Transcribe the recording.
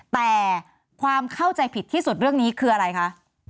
แต่ความเข้าใจผิดที่สุดเรื่องนี้คืออะไรคะ